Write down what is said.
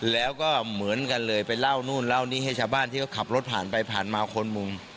แล้วก็เหมือนกันเลยไปเล่านู่นเล่านี่ให้ชาวบ้านที่เขาขับรถผ่านไปผ่านมาคนมุม